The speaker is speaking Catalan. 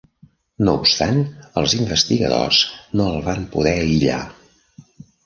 No obstant, els investigadors no el van poder aïllar.